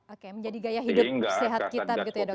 oke menjadi gaya hidup sehat kita begitu ya dokter